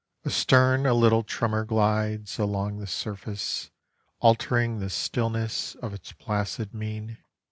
Astern a little tremor glides Along the surface, altering The stillness of its placid mien.